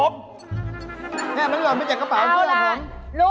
เท่านั้นเราลองไปจากกระเป๋าเบื้อหน่อยพร้อม